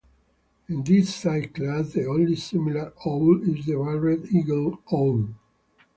In this size class, the only similar owl is the barred eagle-owl.